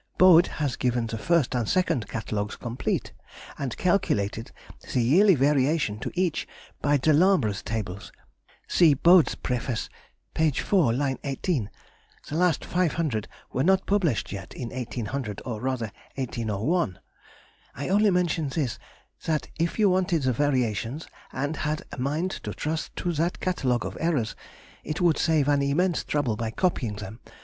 Bode has given the first and second Catalogues complete, and calculated the yearly variation to each by de Lambre's Tables. (See Bode's preface, p. iv., line 18.) The last 500 were not published yet in 1800, or rather 1801. I only mention this that if you wanted the variations, and had a mind to trust to that catalogue of errors, it would save an immense trouble by copying them.